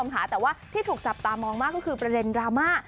แต่ว่าที่ถูกจับตามองมากก็คือประเด็นดราม่า